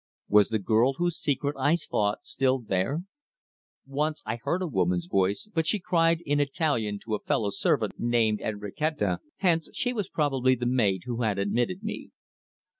Was the girl whose secret I sought still there? Once I heard a woman's voice, but she cried in Italian to a fellow servant named Enrichetta, hence she was probably the maid who had admitted me.